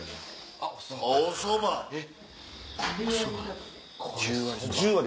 あっ